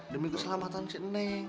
demi keselamatan si neng